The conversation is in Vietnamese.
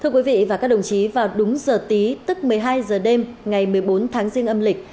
thưa quý vị và các đồng chí vào đúng giờ tí tức một mươi hai giờ đêm ngày một mươi bốn tháng riêng âm lịch